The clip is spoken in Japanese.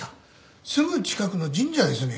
すぐ近くの神社ですね。